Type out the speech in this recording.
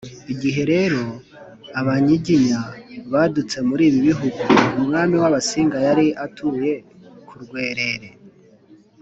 igihe rero abanyiginya badutse muri ibi bihugu, umwami w’abasinga yari atuye ku rwerere